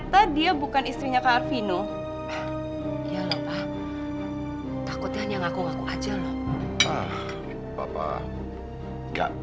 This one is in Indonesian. sampai jumpa di video selanjutnya